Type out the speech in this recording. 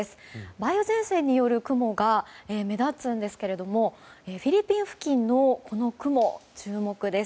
梅雨前線による雲が目立つんですけれどもフィリピン付近のこの雲に注目です。